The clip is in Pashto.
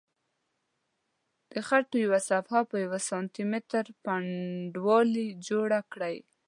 د خټو یوه صفحه په یوه سانتي متر پنډوالي جوړه کړئ.